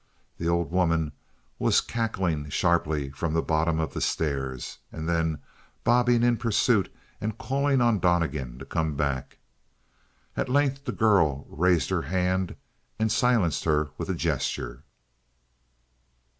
The old woman was cackling sharply from the bottom of the stairs, and then bobbing in pursuit and calling on Donnegan to come back. At length the girl raised her hand and silenced her with a gesture.